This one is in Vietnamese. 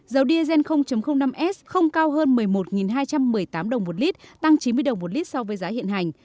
dầu diesel năm s không cao hơn một mươi một hai trăm một mươi tám đồng một lít tăng chín mươi đồng một lít so với giá hiện hành